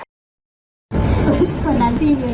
หรือว่าเงินมันน้อยเขาไม่ให้เข้าจริงเหรอ